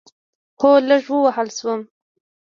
هو، لږ ووهل شوم